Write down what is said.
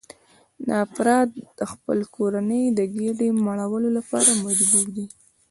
دا افراد د خپلې کورنۍ د ګېډې مړولو لپاره مجبور دي